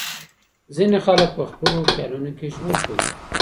ځينې خلګ په خپلو خيالونو کي ژوند کوي.